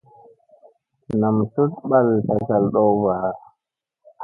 Nam tuɗ ɓal tagal ɗowba.